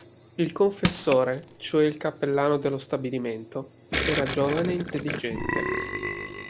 Il confessore, cioè il cappellano dello stabilimento, era giovane e intelligente.